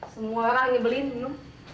semua orang nyebelin iu